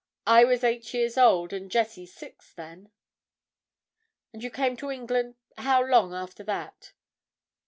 I was eight years old, and Jessie six, then." "And you came to England—how long after that?"